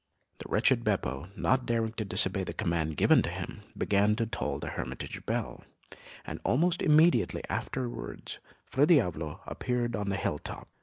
The wretched Beppo, not daring to disobey the command given him, began to toll the hermitage bell, and almost immediately afterwards Fra Diavolo appeared on the hilltop.